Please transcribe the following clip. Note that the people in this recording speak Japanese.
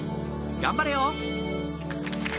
頑張れよ！